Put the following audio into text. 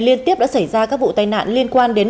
liên tiếp đã xảy ra các vụ tai nạn liên quan đến